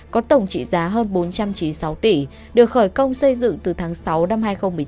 có tổng trị giá hơn bốn trăm chín mươi sáu tỷ được khởi công xây dựng từ tháng sáu năm hai nghìn một mươi chín